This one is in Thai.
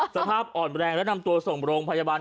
สภาพอ่อนแรงและนำตัวส่งโรงพยาบาล